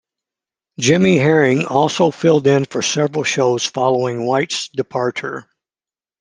Jimmy Herring also filled in for several shows following White's departure.